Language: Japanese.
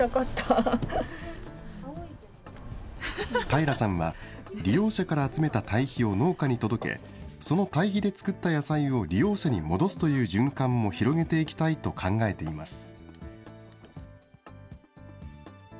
たいらさんは、利用者から集めた堆肥を農家に届け、その堆肥で作った野菜を利用者に戻すという循環も広げていきたいと考えています。